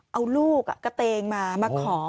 เอาลูกกระเตงมามาขอ